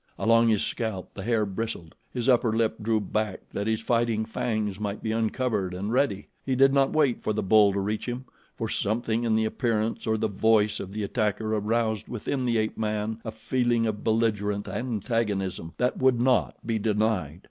Along his scalp the hair bristled: his upper lip drew back that his fighting fangs might be uncovered and ready. He did not wait for the bull to reach him, for something in the appearance or the voice of the attacker aroused within the ape man a feeling of belligerent antagonism that would not be denied.